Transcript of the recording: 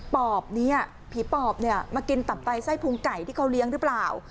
ปอบนี้ผีปอบเนี่ยมากินตับไตไส้พุงไก่ที่เขาเลี้ยงหรือเปล่า